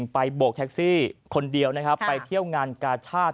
ไปบกแท็กซี่คนเดียวที่เที่ยวงานกาชาติ